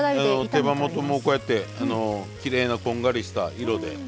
手羽元もこうやってきれいなこんがりした色で。